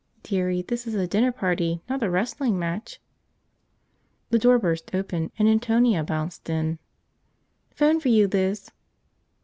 "Dearie, this is a dinner party, not a wrestling match." The door burst open and Antonia bounced in. "Phone for you, Liz."